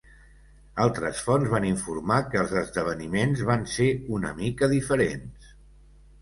Altres fonts van informar que els esdeveniments van ser una mica diferents.